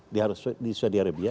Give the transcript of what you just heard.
di saudi arabia